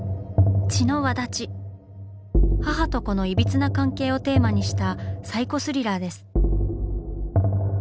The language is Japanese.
母と子のいびつな関係をテーマにしたサイコスリラーです。